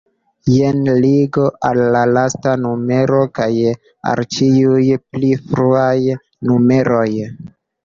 Jen ligo al la lasta numero kaj al ĉiuj pli fruaj numeroj.